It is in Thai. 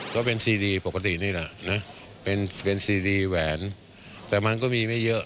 ก็เป็นซีดีปกตินี่แหละนะเป็นเป็นซีดีแหวนแต่มันก็มีไม่เยอะ